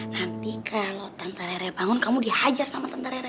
nanti kalo tante rere bangun kamu dihajar sama tante rere